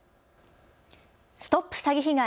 ＳＴＯＰ詐欺被害！